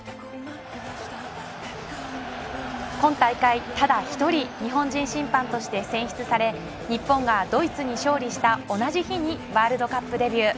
今大会、ただ一人日本人審判と選出され日本がドイツに勝利した同じ日にワールドカップデビュー。